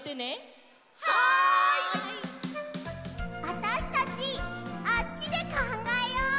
あたしたちあっちでかんがえよう！